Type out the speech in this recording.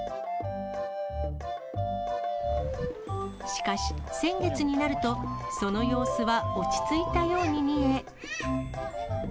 しかし、先月になると、その様子は落ち着いたように見え。